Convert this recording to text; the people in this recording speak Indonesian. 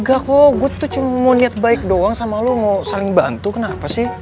gak kok gue tuh cuma mau niat baik doang sama lo mau saling bantu kenapa sih